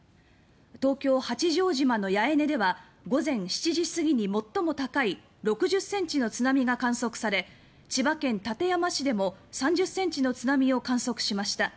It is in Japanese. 東京・八丈島の八重根では午前７時過ぎに最も高い６０ｃｍの津波が観測され千葉県館山市でも３０ｃｍの津波を観測しました。